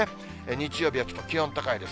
日曜日はちょっと気温高いです。